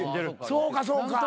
そうかそうか。